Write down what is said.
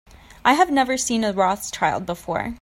I have never seen a Rothschild before.